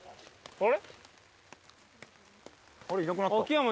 あれ？